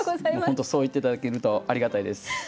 本当そう言って頂けるとありがたいです。